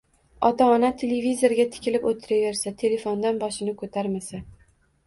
Ota-ona televizorga tikilib o‘tiraversa, telefondan boshini ko‘tarmasa